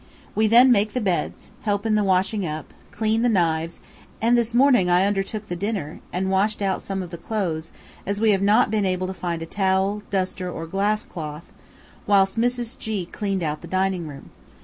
We then make the beds, help in the washing up, clean the knives, and this morning I undertook the dinner, and washed out some of the clothes, as we have not been able to find a towel, duster, or glass cloth, whilst Mrs. G cleaned out the dining room.